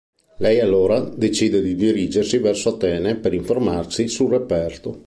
Lei allora, decide di dirigersi verso Atene per informarsi sul reperto.